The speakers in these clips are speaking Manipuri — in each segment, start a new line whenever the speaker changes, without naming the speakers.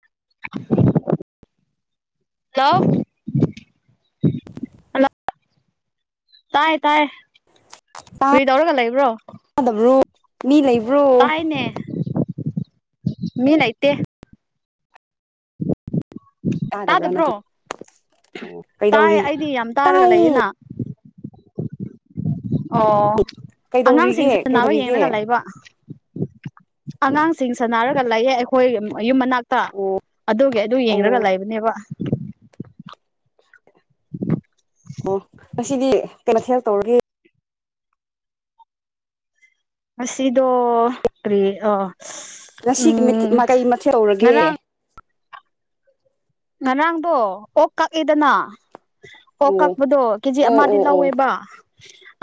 [unintelligible] ꯍꯂꯣ
[unintelligible]
ꯇꯥꯏ ꯇꯥꯏ ꯀꯔꯤ ꯇꯧꯔꯒ ꯂꯩꯕ꯭ꯔꯣ
ꯇꯥꯗꯕ꯭ꯔꯣ ꯃꯤ ꯂꯩ
ꯇꯥꯏꯅꯦ ꯃꯤ ꯂꯩꯇ
ꯇꯥꯗꯕ꯭ꯔꯥꯅ ꯑ
ꯇꯥꯗꯕ꯭ꯔꯣ ꯇꯥꯏ
ꯀꯩꯗꯧꯔꯤ
ꯑꯩꯗꯤ ꯌꯥꯝ ꯇꯥꯔꯒ
ꯇꯥꯏ
ꯂꯩꯌꯦꯅ ꯑꯣ ꯑꯉꯥꯡꯁꯤꯡ
ꯀꯩꯗꯧꯔꯤꯒꯦ
ꯁꯅꯕ
ꯀꯩꯗꯧꯔꯤꯒꯦ
ꯌꯦꯡꯂꯒ ꯂꯩꯕ ꯑꯉꯥꯡꯁꯤꯡ ꯁꯅꯔꯒ ꯂꯥꯛꯑꯦ ꯑꯩꯈꯣꯏ ꯌꯨꯝ ꯃꯅꯥꯛ
ꯑꯣ
ꯑꯗꯨꯒꯤ ꯑꯗꯨ
ꯑꯣ
ꯌꯦꯡꯂꯡꯒ ꯂꯩꯕꯅꯦꯕ [unintelligible]
ꯑꯣ ꯉꯁꯤꯗꯤ ꯀꯩꯃꯊꯦꯜ ꯇꯧꯔꯒꯦ
ꯉꯁꯤꯗꯣ ꯀꯔꯤ ꯑ
ꯉꯁꯤꯒꯤ ꯃꯀꯩ ꯃꯊꯦꯜ ꯇꯧꯔꯒꯦ
ꯉꯔꯥꯡ ꯉꯔꯥꯡꯗꯣ ꯑꯣꯛ ꯀꯛꯏꯗꯅ ꯑꯣꯛ
ꯑꯣ
ꯀꯛꯄꯗꯣ ꯀꯦꯖꯤ
ꯑꯣ
ꯑꯃꯗꯤ
ꯑꯣ ꯑꯣ
ꯂꯧꯋꯦꯕ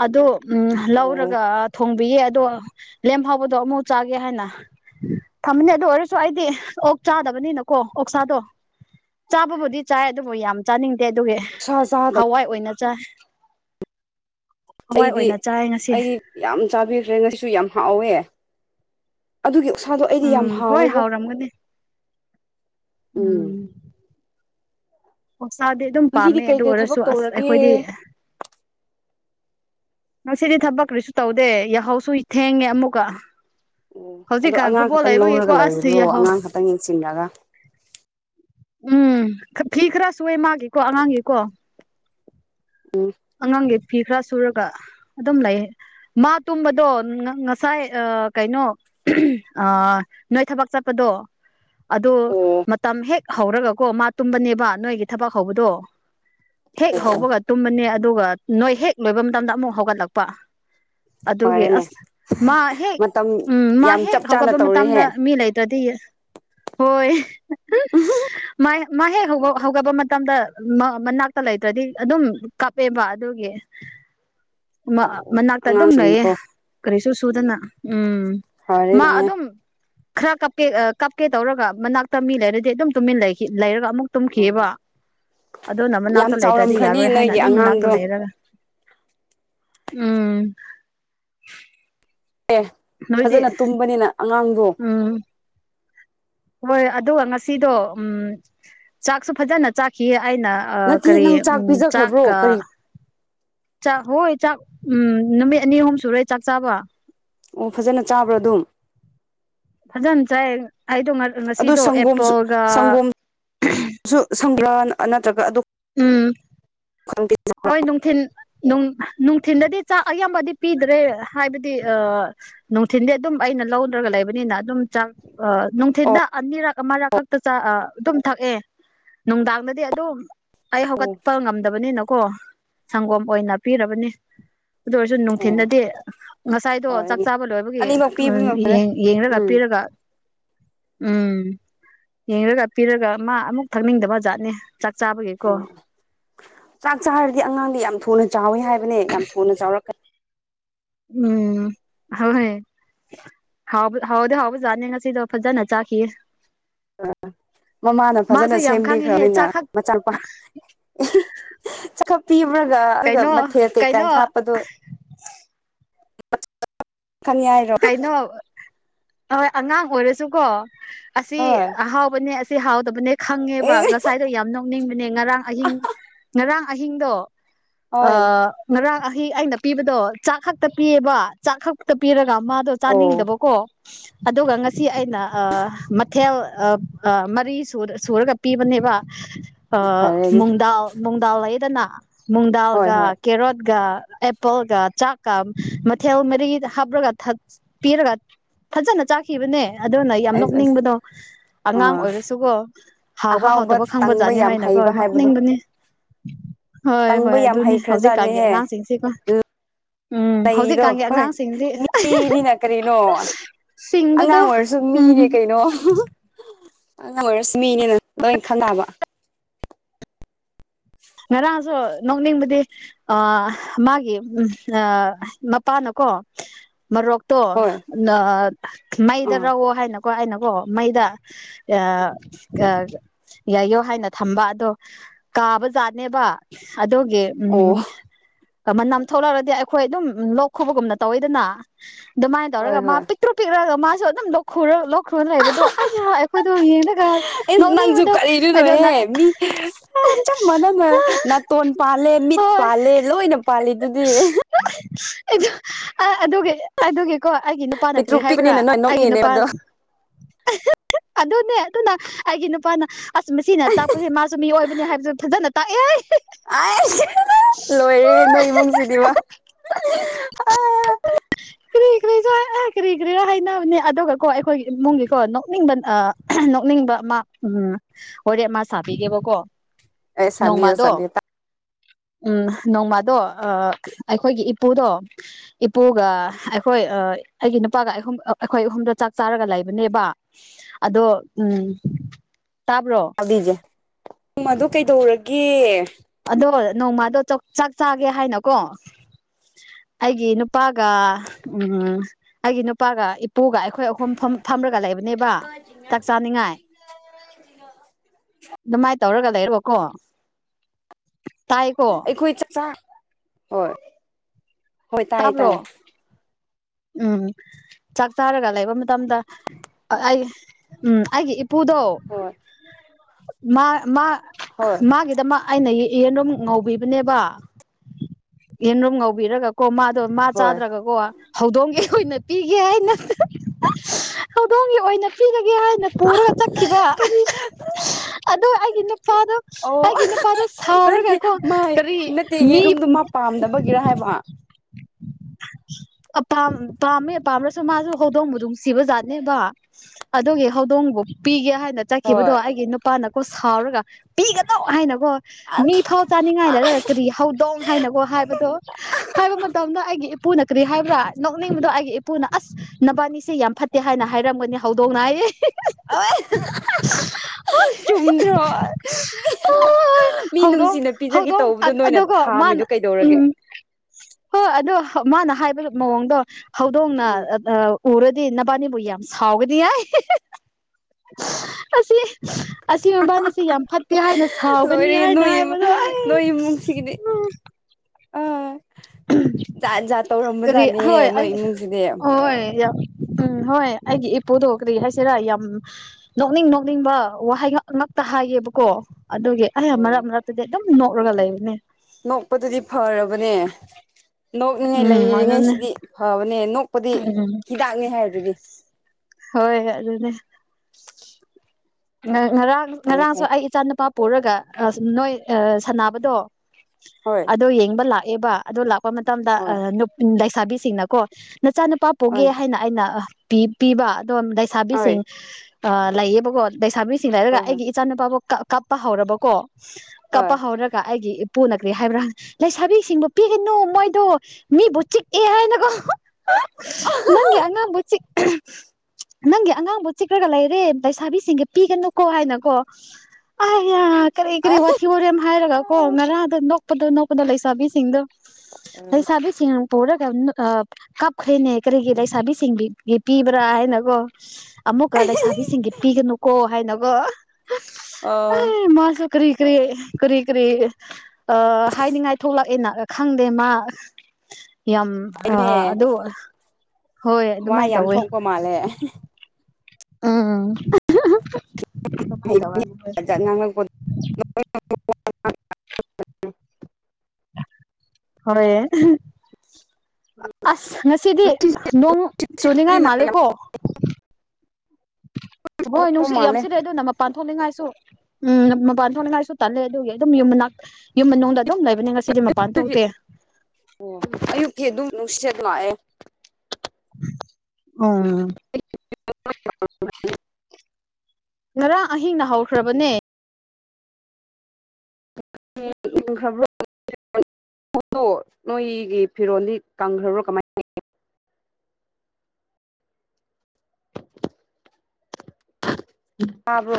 ꯑꯗꯣ ꯎꯝ
ꯑꯣ
ꯂꯧꯔꯒ ꯊꯣꯡꯕꯤꯌꯦ ꯑꯗꯣ ꯂꯦꯝ ꯍꯧꯕꯗꯣ ꯑꯃꯨꯛ ꯆꯥꯒꯦ ꯍꯥꯏꯅ ꯊꯝꯃꯅꯤ ꯑꯗꯨ ꯑꯣꯏꯔꯁꯨ ꯑꯩꯗꯤ ꯑꯣꯛ ꯆꯥꯗꯕꯅꯤꯅꯀꯣ ꯑꯣꯛꯁꯥꯗꯣ ꯆꯥꯕꯕꯨꯗꯤ ꯆꯥꯏ ꯑꯗꯨꯕꯨ ꯌꯥꯝ ꯆꯥꯅꯤꯡꯗꯦ ꯑꯗꯨꯒꯤ
ꯁꯥ ꯆꯥꯗꯕ
ꯍꯋꯥꯏ ꯑꯣꯏꯅ ꯆ
ꯑꯩꯗꯤ ꯑꯩ ꯌꯥꯝ ꯆꯥꯕꯤꯈ꯭ꯔꯦ ꯉꯥꯏꯁꯨ ꯌꯥꯝ ꯍꯥꯎꯋꯦ ꯑꯗꯨꯒꯤ ꯎꯁꯥꯗꯣ ꯑꯩꯗꯤ ꯌꯥꯝ
ꯎꯝ ꯍꯣꯏ
ꯍꯥꯎꯋꯦꯕꯣ
ꯍꯥꯎꯔꯝꯒꯅꯤ ꯎꯝ ꯑꯣꯛꯁꯥꯗꯤ ꯑꯗꯨꯝ
ꯉꯁꯤꯗꯤ
ꯄꯥꯝꯃꯦ ꯑꯗꯨ
ꯀꯩꯀꯩ
ꯑꯣꯏꯔꯁꯨ
ꯊꯕꯛ
ꯑꯁ
ꯇꯧꯔꯒꯦ
ꯑꯩꯈꯣꯏꯗꯤ ꯉꯁꯤꯗꯤ ꯊꯕꯛ ꯀꯔꯤꯁꯨ ꯇꯧꯗꯦ ꯌꯥꯍꯧꯁꯨ ꯊꯦꯡꯉꯦ ꯑꯃꯨꯛꯀ
ꯑꯣ ꯑꯗꯨꯗ
ꯍꯧꯖꯤꯛꯀꯥꯟ
ꯑꯉꯥꯡ
ꯐꯨꯠꯕꯣꯜ
ꯈꯛꯇꯪ
ꯂꯩꯕꯒꯤꯀꯣ
ꯂꯧꯔꯒ
ꯑꯁ
ꯂꯩ꯭ꯔꯤꯂꯣ
ꯌꯥꯍꯧ
ꯑꯉꯥꯡ ꯈꯛꯇꯪ ꯌꯦꯡꯁꯤꯜꯂꯒ
ꯎꯝ ꯐꯤ ꯈꯔ ꯁꯨꯑꯦ ꯃꯥꯒꯤꯀꯣ ꯑꯉꯥꯡꯒꯤꯀꯣ
ꯎꯝ
ꯑꯉꯥꯡꯒꯤ ꯐꯤ ꯈꯔ ꯁꯨꯔꯒ ꯑꯗꯨꯝ ꯂꯩ ꯃꯥ ꯇꯨꯝꯕꯗꯣ ꯉꯁꯥꯏ ꯀꯩꯅꯣ ꯑ ꯅꯣꯏ ꯊꯕꯛ ꯆꯠꯄꯗꯣ ꯑꯗꯣ
ꯑꯣ
ꯃꯇꯝ ꯍꯦꯛ ꯍꯧꯔꯒꯀꯣ ꯃꯥ ꯇꯨꯝꯕꯅꯦꯕ ꯅꯣꯏꯒꯤ ꯊꯕꯛ ꯍꯧꯕꯗꯣ ꯍꯦꯛ
ꯑꯣ ꯑꯣ
ꯍꯧꯕꯒ ꯇꯨꯝꯕꯅꯦ ꯑꯗꯨꯒ ꯅꯣꯏ ꯍꯦꯛ ꯂꯣꯏꯕ ꯃꯇꯝꯗ ꯑꯃꯨꯛ ꯍꯧꯒꯠꯂꯛꯄ ꯑꯗꯨꯒꯤ
ꯐꯔꯦꯅꯦ
ꯑꯁ ꯃꯥ ꯍꯦꯛ
ꯃꯇꯝ
ꯎꯝ ꯃꯥ
ꯌꯥꯝ
ꯍꯦꯛ
ꯆꯞ ꯆꯥꯅ
ꯍꯧꯒꯠꯄ ꯃꯇꯝꯗ
ꯇꯧꯔꯦꯍꯦ
ꯃꯤ ꯂꯩꯇ꯭ꯔꯗꯤ ꯍꯣꯏ ꯃꯥꯏ ꯃꯥ ꯂꯥꯛ ꯍꯧꯒꯠꯄ ꯃꯇꯝꯗ ꯃꯅꯥꯛꯇ ꯂꯩꯇ꯭ꯔꯗꯤ ꯑꯗꯨꯝ ꯀꯞꯄꯦꯕ ꯑꯗꯨꯒꯤ ꯃꯅꯥꯛꯇ ꯑꯗꯨꯝ ꯂꯩꯌꯦ
ꯑꯉꯥꯡꯁꯤꯡꯀꯣ
ꯀꯔꯤꯁꯨ ꯁꯨꯗꯅ ꯎꯝ ꯃꯥ
ꯐꯔꯦꯅꯦ
ꯑꯗꯨꯝ ꯈꯔ ꯀꯞꯀꯦ ꯀꯞꯀꯦ ꯇꯧꯔꯒ ꯃꯅꯥꯛꯇ ꯃꯤ ꯂꯩꯔꯗꯤ ꯑꯗꯨꯝ ꯇꯨꯃꯤꯟ ꯂꯩꯈꯤ ꯂꯩꯔꯒ ꯑꯃꯨꯛ ꯇꯨꯝꯈꯤꯑꯕ
ꯎꯝ
ꯑꯗꯨꯅ
ꯌꯥꯝ
ꯃꯅꯥꯛꯇ ꯂꯩꯇ꯭ꯔꯗꯤ
ꯆꯥꯎꯔꯝꯈ꯭ꯔꯅꯤ
ꯌꯥꯔꯣꯏ ꯍꯥꯏꯅ
ꯅꯣꯏꯒꯤ
ꯑꯗꯨꯝ ꯃꯅꯥꯛꯇ
ꯑꯉꯥꯡꯗꯣ
ꯂꯩꯔꯒ ꯎꯝ
ꯑꯦ
ꯅꯣꯏꯗꯤ
ꯐꯖꯅ ꯇꯨꯝꯕꯅꯤꯅ ꯑꯉꯥꯡꯗꯣ
ꯎꯝ ꯍꯣꯏ ꯑꯗꯨꯒ ꯉꯁꯤꯗꯣ ꯎꯝ ꯆꯥꯛꯁꯨ ꯐꯖꯅ ꯆꯥꯈꯤꯌꯦ ꯑꯩꯅ
ꯅꯠꯇꯦ
ꯀꯔꯤ
ꯅꯪ ꯆꯥꯛ ꯄꯤꯖꯈ꯭ꯔꯕ꯭ꯔꯣ
ꯆꯥꯛꯀ
ꯀꯔꯤ
ꯆꯥꯛ ꯍꯣꯏ ꯆꯥꯛ ꯎꯝ ꯅꯨꯃꯤꯠ ꯑꯅꯤ ꯑꯍꯨꯝ ꯁꯨꯔꯦ ꯆꯥꯛ ꯆꯥꯕ
ꯑꯣ ꯐꯖꯅ ꯆꯥꯕ꯭ꯔꯥ ꯑꯗꯨꯝ
ꯐꯖꯅ ꯆꯥꯏ ꯑꯩꯗꯣ
ꯑꯗꯨ
ꯉꯁꯤꯗꯣ
ꯁꯪꯒꯣꯝꯁꯨ
ꯑꯦꯄꯜꯒ
ꯊꯪꯒꯥꯟꯅ
ꯎꯝ ꯍꯣꯏ ꯅꯨꯡꯊꯤꯟ ꯅꯨꯡꯊꯤꯟꯗꯗꯤ ꯆꯥꯛ ꯑꯌꯥꯝꯕꯗꯤ ꯄꯤꯗ꯭ꯔꯦ ꯍꯥꯏꯕꯗꯤ ꯅꯨꯡꯊꯤꯤꯟꯗꯤ ꯑꯗꯨꯝ ꯑꯩꯅ ꯂꯧꯗ꯭ꯔꯒ ꯂꯩꯕꯅꯤꯅ ꯑꯗꯨꯝ ꯆ
ꯑꯣ
ꯅꯨꯡꯊꯤꯤꯟꯗ ꯑꯅꯤꯔꯛ ꯑꯃꯔꯛ ꯈꯛꯇ ꯆ ꯑꯗꯨꯝ ꯊꯛꯑꯦ ꯅꯨꯡꯗꯥꯡꯗꯗꯤ ꯑꯗꯨꯝ ꯑꯩ ꯍꯧꯒꯠꯄ ꯉꯝꯗꯕꯅꯤꯅꯀꯣ ꯁꯪꯒꯣꯝ ꯑꯣꯏꯅ ꯄꯤꯔꯕꯅꯤ ꯑꯗꯨ ꯑꯣꯏꯔꯁꯨ
ꯑꯣ
ꯅꯨꯡꯊꯤꯟꯗꯗꯤ ꯉꯁꯥꯏꯗꯣ ꯆꯥꯛ
ꯐꯔꯦꯅꯦ
ꯆꯥꯕ ꯂꯣꯏꯕꯒꯤ
ꯑꯅꯤꯃꯛ ꯄꯤꯕꯅ ꯐꯔꯦ
ꯌꯦꯡꯒ
ꯎꯝ
ꯄꯤꯔꯒ [inaudible] ꯎꯝ ꯌꯦꯡꯉꯒ ꯄꯤꯔꯒ ꯃꯥ ꯑꯃꯨꯛ ꯊꯛꯅꯤꯡꯗꯕꯖꯥꯠꯅꯦ
ꯑꯣ ꯆꯥꯛ ꯆꯥꯔꯗꯤ ꯑꯉꯥꯡꯗꯤ ꯌꯥꯝ ꯊꯨꯅ ꯆꯥꯎꯋꯤ ꯍꯥꯏꯕꯅꯦ ꯌꯥꯝ ꯊꯨꯅ ꯆꯥꯎꯔꯛꯀꯅꯤ
ꯎꯝ ꯍ ꯍꯣꯏ ꯍꯥꯎꯕ ꯍꯥꯎꯗꯤ ꯍꯥꯎꯕꯖꯥꯠꯅꯤ ꯉꯁꯤꯗꯣ ꯐꯖꯅ ꯆꯥꯈꯤꯌꯦ
ꯑ ꯃꯃꯥꯅ
ꯃꯥꯁꯨ
ꯐꯖꯅ
ꯌꯥꯝ ꯈꯪꯉꯤꯍꯦ
ꯁꯦꯝꯕꯤꯈ꯭ꯔꯅꯤꯅ
ꯆꯥꯛ ꯈꯛ
ꯃꯆꯥꯅꯨꯄꯥ ꯆꯈꯞꯄꯤꯕ꯭ꯔꯒ ꯑꯗꯨꯒ
ꯀꯩꯅꯣ
ꯃꯊꯦꯜ
ꯀꯩꯅꯣ
ꯀꯩꯀꯥꯏ ꯍꯥꯞꯄꯗꯣ ꯀꯟꯌꯥ ꯍꯥꯏꯔꯣ
ꯀꯩꯅꯣ ꯍꯣꯏ ꯑꯉꯥꯡ ꯑꯣꯏꯔꯁꯨꯀꯣ ꯑꯁꯤ
ꯍꯣꯏ
ꯑꯍꯥꯎꯕꯅꯦ ꯑꯁꯤ ꯍꯥꯎꯗꯕꯅꯦ ꯈꯪꯉꯦꯕ
ꯑꯦ
ꯉꯁꯥꯏꯗꯣ ꯌꯥꯝ ꯅꯣꯛꯅꯤꯡꯕꯅꯦ ꯉꯔꯥꯡ ꯑꯍꯤꯡ ꯉꯔꯥꯡ ꯑꯍꯤꯡꯗꯣ
ꯍꯣꯏ
ꯉꯔꯥꯡ ꯑꯍꯩ ꯑꯩꯅ ꯄꯤꯕꯗꯣ ꯆꯥꯛ ꯈꯛꯇ ꯄꯤꯌꯦꯕ ꯆꯥꯛ ꯈꯛꯇ ꯄꯤꯔꯒ ꯃꯥꯗꯣ
ꯑꯣ
ꯆꯥꯅꯤꯡꯗꯕꯀꯣ ꯑꯗꯨꯒ ꯉꯁꯤ ꯑꯩꯅ ꯃꯊꯦꯜ ꯃꯔꯤ ꯁꯨꯔꯒ ꯄꯤꯕꯅꯦꯕ ꯑ
ꯐꯔꯦꯅꯦ
ꯃꯅꯨꯡꯗꯥꯜ ꯅꯨꯡꯗꯥꯜ ꯂꯩꯌꯦꯗꯅ
ꯍꯣꯏ
ꯃꯅꯨꯡꯗꯥꯜꯒ
ꯍꯣꯏ
ꯀꯦꯔꯣꯠꯒ ꯑꯦꯄꯜꯒ ꯆꯥꯛꯀ ꯃ ꯃꯦꯔꯤꯒ ꯍꯥꯕ꯭ꯔꯒ ꯄꯤꯔꯒ ꯐꯖꯅ ꯆꯥꯈꯤꯕꯅꯦ ꯑꯗꯨꯅ ꯌꯥꯝ
ꯑꯁ ꯑꯁ
ꯅꯣꯛꯅꯤꯡꯕꯗꯣ
ꯑ
ꯑꯉꯥꯡ ꯑꯣꯏꯔꯁꯨꯀꯣ ꯍꯥꯎꯕ
ꯑꯍꯥꯎꯕ
ꯍꯥꯎꯇꯕ ꯈꯪꯕ
ꯇꯪꯕ
ꯖꯥꯠꯅꯤ
ꯌꯥꯝ
ꯍꯥꯏꯅꯀꯣ
ꯍꯩꯕ
ꯍꯣꯏ
ꯍꯥꯏꯕꯗꯣ
ꯅꯣꯛꯅꯤꯡꯕꯅꯦ ꯍꯣꯏ ꯍꯣꯏ
ꯇꯪꯕ ꯌꯥꯝ
ꯑꯗꯨꯅꯦ ꯍꯧꯖꯤꯛꯀꯥꯟꯒꯤ
ꯍꯩꯈ꯭ꯔꯖꯥꯠꯅꯦꯍꯦ
ꯑꯉꯥꯡꯁꯤꯡꯁꯤꯀꯣ ꯎꯝ
ꯂꯩꯗꯣ
ꯍꯧꯖꯤꯛꯀꯥꯟꯒꯤ
ꯍꯣꯏ
ꯑꯉꯥꯡꯁꯤꯡꯗꯤ
ꯏꯅꯤꯅ ꯀꯔꯤꯅꯣ
ꯁꯤꯡꯕꯗꯣ
ꯑꯉꯥꯡ ꯑꯣꯏꯔꯁꯨ
ꯎꯝ
ꯃꯤꯅꯦ ꯀꯩꯅꯣ ꯑꯉ ꯑꯣꯏꯔꯁꯨ ꯃꯤꯅꯦꯅ ꯂꯣꯏ ꯈꯟꯗꯥꯕ
ꯉꯔꯥꯡꯁꯨ ꯅꯣꯛꯅꯤꯡꯕꯗꯤ ꯃꯥꯒꯤ ꯃꯄꯥꯅꯀ ꯀꯣ ꯃ ꯇꯣ
ꯍꯣꯏ
ꯃꯩꯗ
ꯑꯥ
ꯔꯛꯑꯣ ꯍꯥꯏꯅꯀꯣ ꯑꯩꯅꯀꯣ ꯃꯩꯗ ꯌꯥꯏꯌꯣ ꯍꯥꯏꯅ ꯊꯝꯕ ꯑꯗꯣ ꯀꯥꯕ ꯆꯥꯅꯦꯕ ꯑꯗꯨꯒꯤ
ꯑꯣ
ꯎꯝ ꯃꯅꯝ ꯊꯣꯛꯂꯛꯑꯗꯤ ꯑꯩꯈꯣꯏ ꯑꯗꯨꯝ ꯂꯣꯛ ꯈꯨꯕꯒꯨꯝꯅ ꯇꯧꯋꯦꯗꯅ ꯑꯗꯨꯃꯥꯏꯅ
ꯍꯣꯏ
ꯇꯧꯔꯒ ꯃꯥ
ꯍꯣꯏ
ꯄꯤꯛꯇ꯭ꯔꯨ ꯄꯤꯛꯒ ꯃꯥꯁꯨ ꯑꯗꯨꯝ ꯈꯨ ꯂꯩꯕꯗꯣ ꯑ ꯑꯩꯈꯣꯏꯗꯣ ꯌꯦꯡꯉꯒ
ꯑꯩꯁ ꯅꯪꯁꯨ
ꯅꯣꯛꯅꯤꯡꯕꯗ ꯑꯩꯗꯣ
ꯀꯔꯤꯅꯣꯍꯦ ꯃꯤ ꯆꯞ
[unintelligible]
ꯃꯥꯟꯅꯅ ꯅꯥꯇꯣꯟ ꯄꯥꯜꯂꯦ ꯃꯤꯠ ꯄꯥꯜꯂꯦ ꯂꯣꯏꯅ ꯄꯥꯜꯂꯤ ꯑꯗꯨꯗꯤ
ꯑꯗꯨꯒꯤ ꯑꯗꯨꯒꯤ ꯀꯣ ꯑꯩꯒꯤ ꯅꯨꯄꯥꯅ ꯀꯔꯤ
ꯄꯤꯛꯇ꯭ꯔꯨ
ꯍꯥꯏꯕ꯭ꯔꯥ
ꯄꯤꯛꯄꯅꯤꯅ ꯅꯣꯏ
ꯑꯩꯒꯤ
ꯅꯣꯛꯅꯤꯅꯦ
ꯅꯨꯄꯥ
ꯑꯗꯣ
ꯑꯗꯨꯅꯦ ꯑꯗꯨꯅ ꯑꯩꯒꯤ ꯅꯨꯄꯥꯅ ꯑꯁ ꯃꯁꯤ ꯁꯤꯅ ꯇꯥꯛꯄꯁꯦ ꯃꯥꯁꯨ ꯃꯤꯑꯣꯏꯕꯅꯤ ꯍꯥꯏꯕꯁꯨ ꯐꯖꯅ ꯇꯥꯛꯑꯦ
ꯑꯁ ꯂꯣꯏꯔꯦ ꯅꯣꯏ ꯏꯃꯨꯡꯁꯤꯗꯤꯕ
[unintelligible] ꯑꯦ ꯀꯔꯤ ꯀꯔꯤꯔꯥ ꯍꯥꯏꯅꯕꯅꯦ ꯑꯗꯨꯒ ꯀꯣ ꯑꯩꯈꯣꯏꯒꯤ ꯏꯃꯨꯡꯒꯤꯀꯣ ꯅꯣꯛꯅꯤꯡꯕ ꯅꯣꯛꯅꯤꯡꯕ ꯑꯃ ꯎꯝ ꯍꯣꯔꯦ ꯃꯥ ꯁꯥꯕꯤꯒꯦꯕꯀꯣ
ꯑꯦꯁꯕꯤꯣ
ꯅꯣꯡꯃꯗꯣ
ꯁꯕꯤ
ꯎꯝ ꯅꯣꯡꯃꯗꯣ ꯑꯩꯈꯣꯏꯒꯤ ꯏꯄꯨꯗꯣ ꯏꯄꯨꯒ ꯑꯩꯈꯣꯏ ꯑꯩꯣꯏ ꯑꯩꯒꯤ ꯅꯨꯄꯥꯒ ꯑꯍꯨꯝ ꯑꯩꯈꯣꯏ ꯑꯍꯨꯝꯗ ꯆꯥꯛ ꯆꯥꯔꯒ ꯂꯩꯕꯅꯦꯕ ꯑꯗꯣ ꯎꯝ ꯇꯥꯕ꯭ꯔꯣ
ꯑꯗꯨꯗ ꯀꯩꯗꯧꯔꯒꯦ
ꯑꯗꯣ ꯅꯣꯡꯃꯗꯣ ꯆꯥꯛ ꯆꯥꯒꯦ ꯍꯥꯏꯅꯣꯀꯣ ꯑꯩꯒꯤ ꯅꯨꯄꯥꯒ ꯎꯝ ꯑꯩꯒꯤ ꯅꯨꯄꯥꯒ ꯏ ꯄꯨꯒ ꯑꯩꯈꯣꯏ ꯑꯍꯨꯝ ꯐꯝꯔꯒ ꯂꯩꯕꯅꯦꯕ ꯆꯥꯛ ꯆꯥꯅꯤꯡꯉꯥꯏ ꯑꯗꯨꯃꯥꯏꯅ ꯇꯧꯔꯒ ꯂꯩꯔꯣꯀꯣ
ꯑꯩꯈꯣꯏ ꯆꯥꯛꯆꯥ ꯍꯣꯏ ꯍꯣꯏ ꯇꯥꯏꯌꯦ
ꯇꯥꯕ꯭ꯔꯣ
ꯇꯥꯏꯌꯦ
ꯎꯝ ꯆꯥꯛ ꯆꯥꯔꯒ ꯂꯩꯕ ꯃꯇꯝꯗ ꯑꯩ ꯎꯝ ꯑꯩꯒꯤ ꯏꯄꯨꯗꯣ
ꯍꯣꯏ
ꯃꯥ ꯃꯥ
ꯍꯣꯏ
ꯃꯥꯒꯤꯗ ꯃꯥ ꯑꯩꯅ ꯌꯦꯟꯔꯨꯝ ꯉꯧꯕꯤꯕꯅꯦꯕ ꯌꯦꯟꯔꯨꯝ ꯉꯧꯕꯤꯔꯒꯀꯣ ꯃꯥ ꯑꯗꯣ ꯃꯥ
ꯍꯣꯏ
ꯆꯥꯗ꯭ꯔꯒꯀꯣ ꯍꯧꯗꯣꯡꯒ ꯑꯩꯈ ꯑꯣꯏꯅ ꯄꯤꯒꯦ ꯍꯥꯏꯅ ꯍꯧꯗꯣꯡꯒꯤ ꯑꯣꯏꯅ ꯅꯨꯔꯒꯦ ꯍꯥꯏꯅ ꯄꯨꯔꯒ ꯆꯠꯈꯤꯕ
ꯀꯔꯤ
ꯑꯣ ꯑꯩꯒꯤ ꯅꯨꯄꯥꯗꯣ
ꯑꯣ
ꯑꯩꯒꯤ ꯅꯨ ꯄꯥꯗ
ꯅꯠꯇꯦ
ꯁꯥꯎꯅꯒꯀꯣ
ꯃꯥ
ꯀꯔꯤ
ꯅꯠꯇꯦ
ꯃꯤ
ꯌꯦꯔꯨꯝꯗꯣ ꯃꯥ ꯄꯥꯝꯗꯕꯒꯤꯔ ꯍꯥꯏꯕ
ꯑ ꯄ ꯄꯥꯝꯃꯤ ꯄꯝꯔꯁꯨ ꯃꯥꯁꯨ ꯍꯣꯗꯕ ꯁꯤꯕꯖꯥꯠꯅꯦꯕ ꯑꯗꯨꯒꯤ ꯍꯧꯗꯣꯡꯕꯨ ꯄꯤꯒꯦ ꯍꯥꯏꯅ ꯆꯠꯈꯤꯕꯗꯣ
ꯍꯣꯏ
ꯑꯩꯒꯤ ꯅꯨꯄꯥꯅ ꯀꯣ ꯁꯥꯎꯔꯒ ꯄꯤꯒꯗꯧ ꯍꯥꯏꯅ ꯣ ꯃꯤ ꯐꯥꯎ ꯆꯥꯅꯤꯡꯉꯥꯏꯅꯔꯒ ꯀꯔꯤ ꯍꯧꯗꯣꯡ ꯍꯥꯏꯅꯀꯣ ꯍꯥꯏꯕꯗꯣ ꯇꯧꯝꯅꯣ ꯑꯩꯒꯤ ꯏꯄꯨꯅ ꯀꯔꯤ ꯍꯥꯏꯕ꯭ꯔꯥ ꯅꯣꯛꯅꯤꯡꯕꯗꯣ ꯑꯩꯒꯤ ꯏꯄꯨꯅ ꯑꯁ ꯅꯕꯥꯅꯤꯁꯦ ꯌꯥꯝꯅ ꯐꯠꯇꯦ ꯍꯥꯏꯅ ꯍꯥꯏꯔꯝꯒꯅꯤ ꯍ ꯍꯧꯗꯧꯅ
ꯑꯋꯥ ꯆꯨꯝꯨꯝꯗ꯭ꯔꯣ ꯃꯤ
ꯍꯣꯏ ꯍꯧꯗꯣꯡ
ꯅꯨꯡꯁꯤꯅ ꯄꯤꯖꯒꯦ
ꯍꯧꯗꯣꯡ
ꯇꯧꯕꯗꯣ ꯅꯣꯏꯅ
ꯑꯗꯨꯒꯣ
ꯈꯥꯝꯃꯤꯗꯣ
ꯃꯥꯅ
ꯀꯩꯗꯧꯔꯒꯦ
ꯎꯝ ꯍꯣꯏ ꯑꯣ ꯃꯥꯅ ꯍꯥꯏꯕ ꯃꯑꯣꯡꯗꯣ ꯍꯧꯗꯣꯡꯅ
ꯎꯝ
ꯎꯔꯗꯤ ꯏꯟꯅ ꯄꯅꯤ ꯄꯨꯏ ꯌꯥꯝ ꯁꯥꯎꯒꯗꯤ ꯌꯥ ꯑꯁꯤ ꯑꯁꯤ ꯃꯕꯥꯅꯤꯁ ꯌꯥꯝ ꯐꯠꯇꯦ ꯍꯥꯏꯅ ꯁꯥꯎꯒꯅꯤ
ꯂꯣꯏꯔꯦ
ꯍꯥꯏꯅ
ꯅꯣꯏ
ꯍꯥꯏꯕꯗꯣ ꯑꯩ
ꯅꯣꯏ ꯏꯃꯨꯡꯁꯤꯒꯤꯗꯤ
ꯎ
ꯑꯣ
ꯀꯔꯤ
ꯇꯧꯔꯝꯕꯖꯥꯠꯅꯤꯍꯦ
ꯍꯣꯏ
ꯅꯣꯏ
ꯑꯩ
ꯏꯃꯨꯡꯁꯤꯗꯤ
ꯍꯣꯏ ꯌꯥ ꯎꯝ ꯍꯣꯏ ꯑꯩꯒꯤ ꯏꯄꯨꯗꯣ ꯀꯔꯤ ꯍꯥꯏꯁꯤꯔꯥ ꯌꯥꯝ ꯅꯣꯛꯅꯤꯡ ꯅꯣꯛꯅꯤꯡꯕ ꯋꯥꯍꯩ ꯉ ꯇ ꯍꯥꯏꯌꯦꯦꯕꯀꯣ ꯑꯗꯨꯒꯤ ꯑꯩ ꯃꯔꯛ ꯃꯔꯛꯇꯗꯤ ꯑꯗꯨꯝ ꯅꯣꯛꯂꯒ ꯂꯩꯕꯅꯦ
ꯅꯣꯛꯄꯗꯨꯗꯤ ꯐꯔꯕꯅꯦ ꯅꯣꯛꯂꯤꯉꯩ
ꯎꯝ ꯑꯗꯨꯅꯦ
ꯂꯩꯔꯤꯉꯩꯁꯤꯗꯤ ꯐꯕꯅꯦꯣꯛ ꯄꯄꯗꯤ
ꯎꯝ
ꯍꯤꯗꯥꯛꯅꯤ ꯍꯥꯏꯔꯗꯨꯗꯤ
ꯍꯣꯏ ꯑꯗꯨꯅꯦ ꯉꯔꯥꯡ
ꯐꯩ
ꯉꯔꯥꯡꯁꯨ
ꯐꯩ
ꯑꯩ ꯏꯆꯥ ꯅꯨꯄꯥ ꯄꯨꯔꯒ ꯑ ꯅꯣꯏ ꯁꯥꯟꯅꯕꯗꯣ
ꯍꯣꯏ
ꯑꯗꯣ ꯌꯦꯡꯕ ꯂꯥꯛꯑꯦꯕ ꯑꯗ ꯄ ꯃꯇꯝꯗ
ꯍꯣꯏ
ꯂꯩꯁꯥꯕꯤꯁꯤꯡꯅꯀꯣ ꯅꯆꯥꯅꯨꯄꯥ ꯄꯨꯒꯦ
ꯍꯣꯏ
ꯍꯥꯏꯅ ꯑꯩꯅ ꯄꯤꯕ ꯑꯗꯨꯣꯝ
ꯍꯣꯏ
ꯂꯩꯁꯥꯕꯤꯁꯤꯡ ꯂꯩꯌꯦꯕꯀꯣ ꯂꯩꯁꯥꯕꯤ ꯁꯤ ꯂꯩꯔꯒ
ꯍꯣꯏ ꯍꯣꯏ
ꯑꯩꯒꯤ ꯏꯆꯥꯅꯨꯄꯥꯕꯨ ꯀꯞꯄ ꯍꯧꯔꯕꯀꯣ
ꯍꯣꯏ
ꯀꯞꯄ ꯍꯧꯔꯒ ꯑꯩꯒꯤ ꯄꯣꯟꯅꯈ꯭ꯔꯦ ꯍꯥꯏꯕ꯭ꯔꯥ ꯂꯩꯁꯥꯕꯤꯁꯤꯡꯕꯨ ꯄꯤꯒꯅꯨ ꯃꯣꯏꯗꯣ ꯃꯤꯕꯨ ꯆꯤꯛꯑꯦ ꯍꯥꯏꯅꯀꯣ ꯅꯪꯦ ꯑꯉꯥꯡꯝꯕ ꯆꯤ ꯅꯪꯒꯤ ꯑꯉꯥꯡꯕꯨ ꯆꯤꯛ꯭ꯔꯒꯂ ꯏꯔꯦ ꯄꯩꯁꯥꯕꯤꯁꯤꯡꯒꯤꯦ ꯄꯤꯒꯅꯨ ꯀꯣ ꯍꯥꯏꯅꯀꯣ ꯑꯩ ꯀꯔꯤ ꯀꯔꯤ ꯋꯥꯊꯤ ꯋꯥꯝ ꯍꯥꯏꯔꯒ ꯀꯣ ꯉꯔꯥꯡꯗꯣ ꯅꯣꯛꯄꯗꯣ ꯅꯣꯛꯄꯗꯣ ꯂꯩꯁꯥꯕꯤꯁꯤꯡꯗꯣ ꯂꯩꯩꯁꯕꯤꯁꯤꯉ ꯄꯔꯒ ꯀꯥꯞꯈ꯭ꯔꯦꯅꯦ ꯀꯔꯤꯒꯤ ꯂꯩꯁꯥꯕꯤꯁꯤꯡ ꯄꯤꯕ꯭ꯔꯥ ꯍꯥꯏꯅꯀꯣ ꯑꯃꯨꯛꯀ ꯂꯩꯁꯥꯕꯤꯁꯤꯡꯒꯤ ꯄꯤꯒꯅꯨꯀꯣ ꯍꯥꯏꯅꯒꯣ
ꯑ
ꯀꯔꯤ ꯀꯔꯤ ꯀꯔꯤ ꯀꯔꯤ ꯍꯥꯏꯅꯤꯡꯉꯥꯏ ꯊꯣꯛꯂꯛꯑꯦꯅ ꯈꯪꯗꯦ ꯃꯥ ꯌꯥꯝ ꯑ
ꯍꯩꯕꯅꯦ
ꯑꯗꯨꯗ ꯍꯣꯏ
ꯋꯥ
ꯑꯗꯨꯃꯥꯏꯅ
ꯌꯥꯝ
ꯇꯧꯋꯦ
ꯊꯣꯛꯄ ꯃꯥꯜꯂꯦ
ꯑ
ꯉ [unintelligible]
ꯍꯣꯏꯦ ꯑꯁ ꯉꯁꯤꯗꯤ
ꯉꯥꯡꯂꯛꯄ
ꯅꯣꯡ ꯆꯨꯅꯤꯡꯉꯥꯏ ꯃꯥꯜꯂꯦꯀꯣ ꯍꯣꯏ ꯅꯨꯡꯁꯤꯠ
ꯃꯥꯜꯂꯦ
ꯌꯥꯝꯁꯤꯜꯂꯦ ꯑꯗꯨꯅ ꯃꯄꯥꯟ ꯊꯣꯛꯅꯤꯡꯉꯥꯏꯁꯨ ꯎꯝ ꯃꯄꯥꯟ ꯊꯣꯛꯅꯤꯡꯉꯥꯏꯁꯨ ꯇꯜꯂꯦ ꯑꯗꯨꯒꯤ ꯑꯗꯨꯝ ꯌꯨꯝ ꯌꯨꯝ ꯃꯅꯨꯡꯗ ꯑꯗꯨꯝ ꯂꯩꯕꯅꯦ ꯉꯁꯤꯗꯤꯦ ꯃꯄꯥꯟ
ꯑꯗꯨꯒꯤ
ꯊꯣꯛꯇꯦ
ꯨꯁꯦ ꯂꯅꯨꯡꯌꯦ
ꯑꯣ
[unintelligible]
ꯉꯔꯥꯡ ꯑꯍꯤꯡꯅ ꯍꯧꯈ꯭ꯔꯕꯅꯦ
ꯈꯕ꯭ꯔ ꯣ ꯅꯣꯏꯒꯤ ꯐꯤꯔꯣꯜꯗꯤ ꯀꯪꯈ꯭ꯔꯔꯣ ꯀꯃꯥꯏꯅ ꯇ ꯃꯥꯕ꯭ꯔꯣ